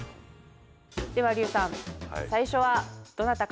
では劉さん最初はどなたから。